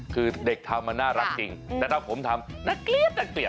คือเด็กทำน่ารักจริงแต่ถ้าผมทำน่าเกลียดน่าเกลียด